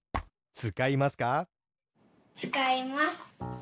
つかいます。